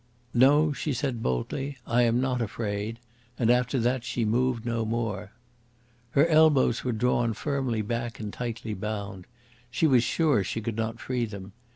"No," she said boldly; "I am not afraid," and after that she moved no more. Her elbows were drawn firmly back and tightly bound. She was sure she could not free them.